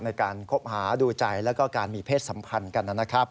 ในการคบหาดูใจแล้วก็การมีเพศสัมพันธ์กันนะครับ